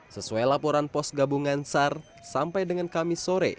sesuai laporan pos gabungan sar sampai dengan kami sore